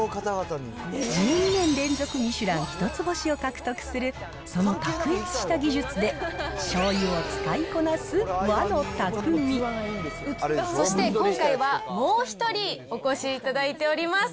１２年連続ミシュラン一つ星を獲得する、その卓越した技術で、そして、今回はもう１人お越しいただいております。